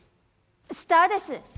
スターです。